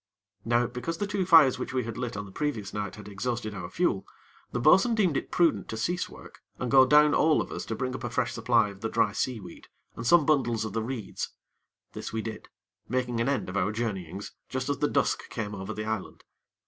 Now, because the two fires which we had lit on the previous night had exhausted our fuel, the bo'sun deemed it prudent to cease work, and go down all of us to bring up a fresh supply of the dry seaweed and some bundles of the reeds. This we did, making an end of our journeyings just as the dusk came over the island.